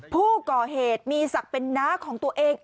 ผู้ก่อเหตุมีศักดิ์เป็นน้าของตัวเอง